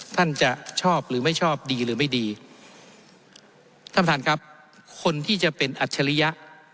ท่านจะชอบหรือไม่ชอบดีหรือไม่ดีท่านประธานครับคนที่จะเป็นอัจฉริยะ